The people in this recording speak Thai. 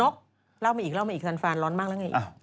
คุณนกเล่ามาอีกแซนฟรานร้อนมากแล้วไงอีก